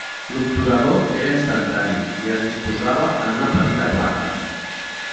L'obturador era instantani i es disposava en una petita placa.